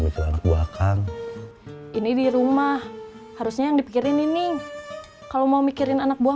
mikiran buahkan ini di rumah harusnya yang dipikirin ini kalau mau mikirin anak buah